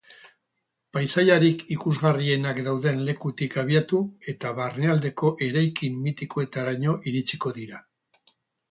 Paisaiarik ikusgarrienak dauden lekutik abiatu eta barnealdeko eraikin mitikoenetaraino iritsiko dira.